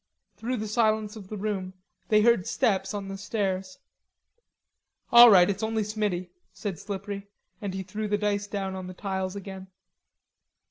Through the silence of the room they heard steps on the stairs. "All right, it's only Smiddy," said Slippery, and he threw the dice down on the tiles again.